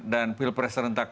dan pilpres serentak